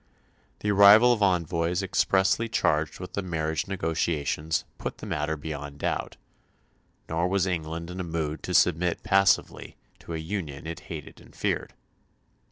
The arrival of envoys expressly charged with the marriage negotiations put the matter beyond doubt; nor was England in a mood to submit passively to a union it hated and feared.